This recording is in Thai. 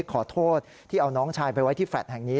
ขอโทษที่เอาน้องชายไปไว้ที่แฟลต์แห่งนี้